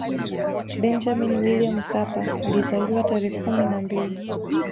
benjamini william mkapa alizaliwa tarehe kumi na mbili